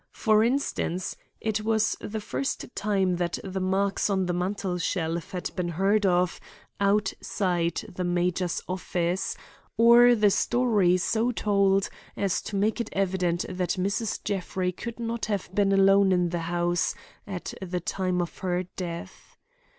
For instance, it was the first time that the marks on the mantel shelf had been heard of outside the major's office, or the story so told as to make it evident that Mrs. Jeffrey could not have been alone in the house at the time of her death.